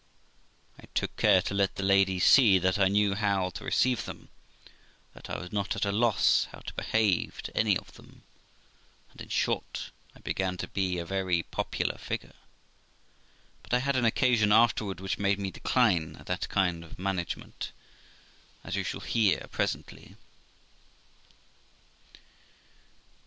I took care to let the ladies see that I knew how to receive them; that I was not at a loss how to behave THE LIFE OF ROXANA 22; to any of them ; and, in short, I began to be very pofmlar there. But I had an occasion afterwards which made me decline that kind of management, as you shall hear presently.